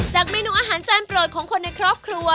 เมนูอาหารจานโปรดของคนในครอบครัว